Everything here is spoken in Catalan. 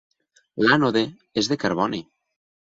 L'ànode és de carboni.